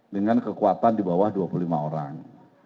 dengan kekuatan di bawah dua puluh lima orang